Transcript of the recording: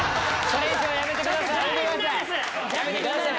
それ以上はやめてください！